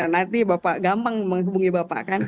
nanti bapak gampang menghubungi bapak kan